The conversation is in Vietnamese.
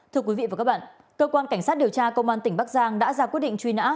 thưa quý vị và các bạn cơ quan cảnh sát điều tra công an tỉnh bắc giang đã ra quyết định truy nã